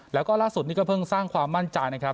แล้วก็ล่าสุดนี้ก็เพิ่งสร้างความมั่นใจนะครับ